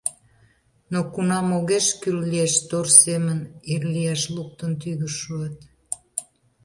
Но кунам огеш кӱл лиеш, тор семын ир лияш луктын тӱгӧ шуат.